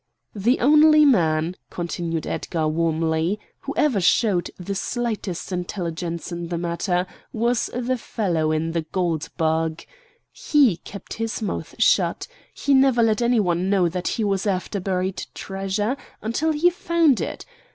"The only man," continued Edgar warmly, "who ever showed the slightest intelligence in the matter was the fellow in the 'Gold Bug'. He kept his mouth shut. He never let any one know that he was after buried treasure, until he found it.